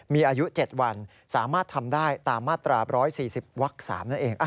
มีอายุ๗วันสามารถทำได้ตามมาตรา๑๔๐วัก๓นั่นเอง